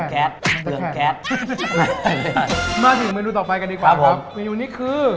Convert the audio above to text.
เหลือแค